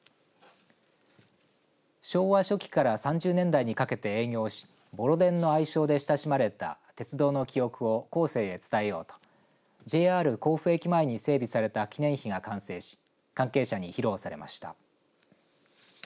昭和初期から３０年代にかけて営業し、ボロ電の愛称で親しまれた鉄道の記憶を後世に伝えようとＪＲ甲府駅前に整備された記念碑が完成し関係者に披露されました。